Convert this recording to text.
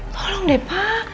tolong deh pak